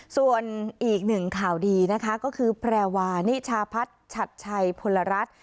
ส่วนอีกหนึ่งข่าวดีนะคะก็คือแพรวานิชาพัฒน์ชัดชัยพลรัฐ